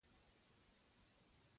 هر کله چې هر چا ته موسکا کوئ.